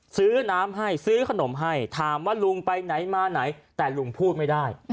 ซื้อน้ำให้ซื้อขนมให้ถามว่าลุงไปไหนมาไหนแต่ลุงพูดไม่ได้